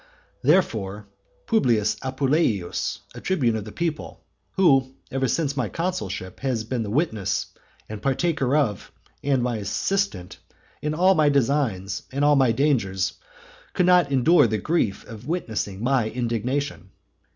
Therefore Publius Apuleius, a tribune of the people, who ever since my consulship has been the witness and partaker of, and my assistant in all my designs and all my dangers could not endure the grief of witnessing my indignation.